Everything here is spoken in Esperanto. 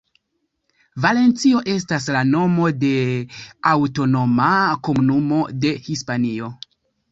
Valencio estas la nomo de aŭtonoma komunumo de Hispanio.